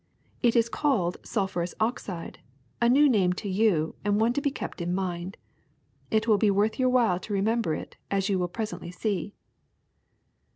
It is called sulphurous oxide, a new name to you and one to be kept in mind. It will be worth your while to remember it, as you will presently see.